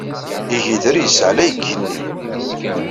Igider yessaɛlay deg yigenni.